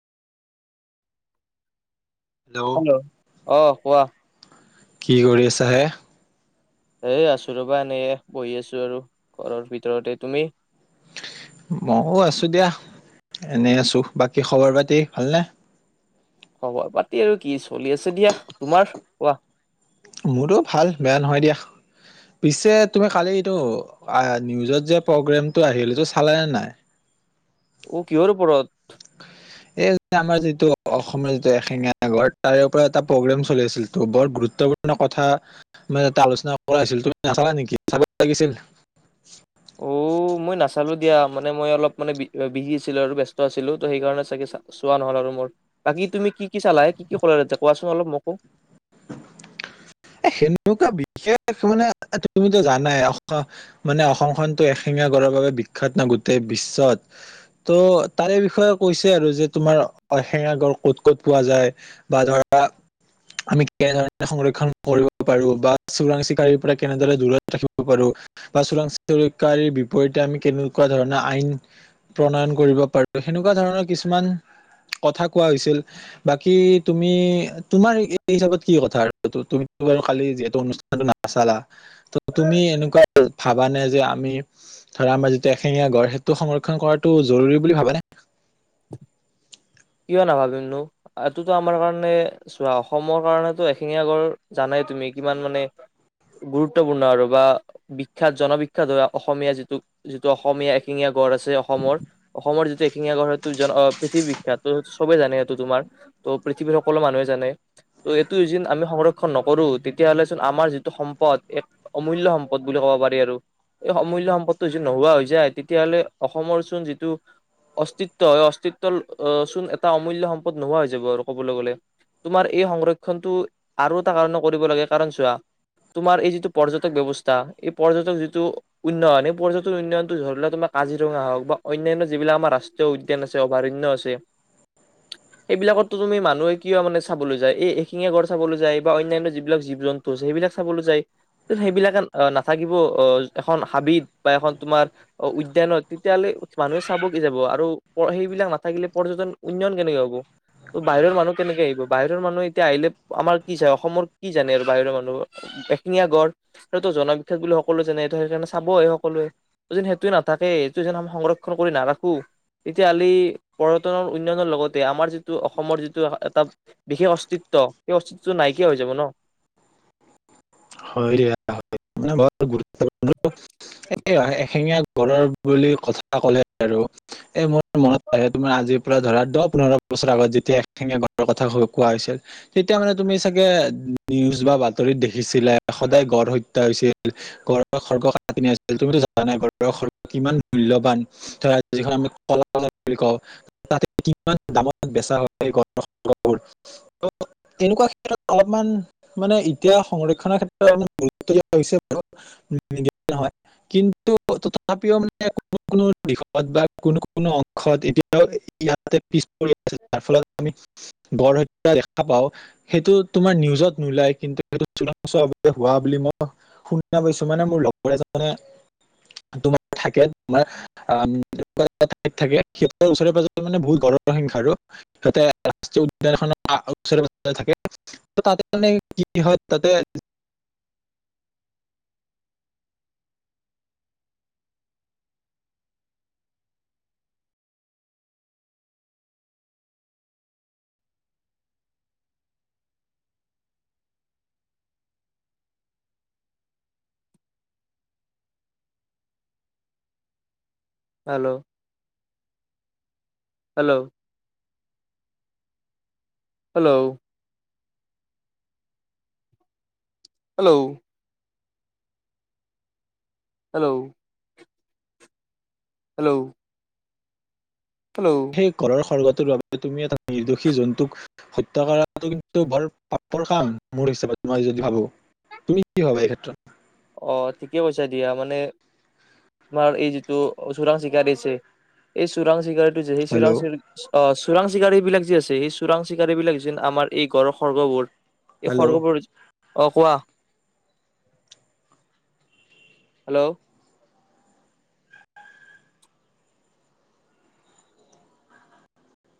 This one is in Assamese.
হেল্ল' অ'। কোৱা। কি কৰি আছাহে? এ আছো ৰবা এনে বহি আছো আৰু ঘৰৰ ভিতৰতে তুমি মইয়ও আছো দিয়া এনে আছো বাকী খবৰ পাতি ভালনে খবৰ পাতি আৰু কি চলি আছে দিয়া তোমাৰ কোৱা মোৰতো ভাল বেয়া নহয় দিয়া পিছে তুমি কালি এইটো নিউজত যে প্ৰগ্ৰেমটো আহিলটো চালাে নাই উ কিহৰ ও পৰত এই আমাৰ যিটো অসমৰ যিটো এ শেঙাাগৰ তাৰে পৰা এটা প্ৰগ্ৰেম চলি আছিল ত বৰ গুৰুত্বপূৰ্ণ কথা মানে এটা আলোচনা কৰা হৈছিল তুমি নাচালা নেকি চাব লাগিছিল অ মই নাচালো দিয়া মানে মই অলপ মানে বি বিহি আছিলো আৰু ব্যস্ত আছিলো ত' সেইকাৰণে চাগে চোৱা নহ'ল আৰু মোৰ বাকী তুমি কি কি চালাহে কি কি ক'লাতে কোৱাচোন অলপ মোকো সেনেকুৱা বিশেষ মানে তুমিতো জানাই মানে অসমখনতো এশেঙা গড়ৰ বাবে বিখ্য্াত নাই গোটেই বিশ্বত ত' তাৰে বিষয়ে কৈছে আৰু যে তোমাৰ এশেঙা গড় ক'ত ক'ত পোৱা যায় বা ধৰা আমি কেনেধৰণে সংৰক্ষণ কৰিব পাৰো বা চোৰাং চিকাৰীৰ পৰা কেনেদৰে দূৰত ৰাখিব পাৰো বা চোৰাং চিকিকাৰীৰ বিপৰীতে আমি কেনেকুৱা ধৰণৰ আইন প্ৰণয়ন কৰিব পাৰো সেনেকুৱা ধৰণৰ কিছুমান কথা কোৱা হৈছিল বাকী তুমি তোমাৰ স হিচাপত কি কথা আৰু তুম বাৰ খালি যিহেতু অনুষ্ঠানটো নাচালা ত তুমি এনেকুৱা ভাবানে যে আমি ধৰা আমাৰ যিটো এশেঙীয়া গড সেইটো সংৰক্ষন কৰাটো জৰুৰী বুলি ভাবানে কিয় নাভাবিমনো এইটোতো আমাৰ কাৰণে চোৱা অসমৰ কাৰণো এশিঙীয়া গড় জানাই তুমি কিমান মানে গুৰুত্বপূৰ্ণ আৰু বা বিখ্যাত জনবিখ্য্াত হ অসমীয়া যিটো যিটো অসমীয়া এশিঙীয়া গড় আছে অসমৰ অসমৰ যিটো এশিঙীয়া গড় সেইটো জন পৃথিৱী সটো চবেই জানে সেইটো তোমাৰ ত' পৃথিৱীৰ সকলো মানুহে জানে ত' এইটো যদি আমি সংৰক্ষণ নকৰো তেতিয়াাহলে চোন আমাৰ যিটো সম্পদ এক অমূল্য় সম্পদ বুলি ক'ব পাৰি আৰু এই অমূল্য় সম্পদটো যদি নোহোৱা হৈ যায় তেতিয়াাহলে অসমৰ চোন যিটো অস্তিত্ব অস্তিত্বৰ অ চোন এটা অমূল্য সম্পদ নোহোৱা হৈ যাব আৰু ক'বলৈ গ'লে তোমাৰ এই সংৰক্ষণটো আৰু এটা কাৰণে কৰিব লাগে কাৰণ চোৱা তোমাৰ এই যিটো পৰ্যটক ব্যৱস্থা এই পৰ্যটক যিটো উন্নয়ন এই পৰ্যটন উন্নয়নটো ধৰি ল তোমাৰ কাজিৰঙা হওক বা অন্যয়ান্য যিবিলাক আমাৰ ৰাষ্ট্ৰীয় উদ্যান আছে অভয়ণ্য আছে সেইবিলাকো তুমি মানুহে কিয় মানে চাবলৈ যায় এই এশিঙে গড় চাবলৈ যায় বা অন্য়ানয় যিবিলাক জীৱ জন্তু আছে সেইবিলাক চাবলৈ যায় সেইবিলাকে নাথাকিব আহ এখন হাবিত বা এখন তোমাৰ উদ্যানত তেতিয়াাহলে মানুহে চাব কি যাব আৰু সেইবিলাক নাথাকিলে পৰ্যটন উন্নয়ন কেনেকে হব ত বাহিৰৰ মানুহ কেনেকে আহিব বাহিৰৰ মানুহ এতিয়া আহিলে আমাৰ কি যায় অসমৰ কি জানে আৰু বাহিৰৰ মানুহ এশিঙীয়া গড় সেইটো জনবিখ্যাত বুলি সকলোৱে জানে সেইকাৰণে চাবহে সকলোৱে যে সেইটোোৱে নাথাকে সেইটো যেি সংৰক্ষণ কৰি নাৰাখো তেতিয়াাহালি পৰ্যটনৰ উন্নয়নৰ লগতে আমাৰ যিটো অসমৰ যিটো এটা বিশেষ অস্তিত্ব সেই অস্তিত্বটো নাইকিয়া হৈ যাব ন হয় দ বৰ গুৰুতৰ্ এ এশেঙীয়া গৰৰ বুলি কথা ক'লে আৰু এ মোৰ মনত আহে তোমাৰ আজি ৰা ধৰা দহ পোন্ধৰ বছৰ আগত যেতিয়ােঙে ঘৰ কথা কোৱা হৈছিল তেতিয়া মানে তুমি চাগে নিউজ বা বাতৰিত দেখিছিলে সদায় গড় হত্যা হৈছিল গড়ৰ সৰ্গ কছিল তুমিতো জান নাই গড়ৰ সগ কিমান মূল্য়বান ধৰা যিখন আমি কল বুলি কওঁ তাতে কিমান দামত বেচা হয় গৰবোৰ এনেকুৱা ক্ষেত্ৰত অলপমান মানে এতিয়া সংৰক্ষণৰ ক্ষ্ৰত গুৰুত্ব দিয়া হৈছে নহয় কিন্তু তথাপিও মানে কোনো কোনো দিশত বা কোনো কোনো অংশত এতিয়া ইয়াতে পিছ পৰি যাৰ ফলত আমি গড় হত্যা দেখা পাও সেইটো তোমাৰ নিউজত নোলাই কিন্তু সেইটো হোৱা বুলি মই শু পাইছো মানে মোৰ লগৰ এজন মানে তোমাৰ থাকে তোমাৰ আহকুৱা এ ঠাইত থাকে সিহঁতৰ ওচৰে পাজৰে মানে বহুত ঘৰৰ সংখ্য্া আৰু সিহঁতে ৰাষ্ট্ৰীয় উদ্যান এখনৰ ওচৰে প থাকে তাতে মানে কি হয় তাতে hello hello hello hello hello hello hello সেই কৰৰ সৰ্গত বাবে তুমি এটা নিৰ্দোষী জন্তুক হত্যা কৰাটো কিন্তু ভাল পাপৰ কাম মোৰ হিচাপত মই যদি ভাবো তুমি কি হবা এই ক্ষেত্ৰত অ ঠিকে পইচা দিয়া মানে তোমাৰ এই যিটো চোৰাং চিগাৰীট আছে এই চোৰাং চিগাৰীট যে চৰা হেল্ল' চ অ চোৰাং চিকাৰী বিলাক যি আছে সেই চোৰাং চিকাৰীবিলাক যেন আমাৰ এই গড়ৰ সৰ্গবোৰ এই হেল্ল' সৰ্গপৰ অঁকোৱা হেল্ল'